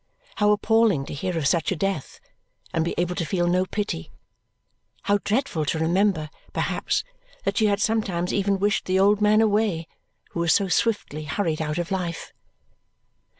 How appalling to hear of such a death and be able to feel no pity! How dreadful to remember, perhaps, that she had sometimes even wished the old man away who was so swiftly hurried out of life!